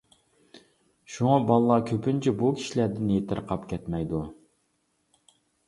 شۇڭا، بالىلار كۆپىنچە بۇ كىشىلەردىن يېتىرقاپ كەتمەيدۇ.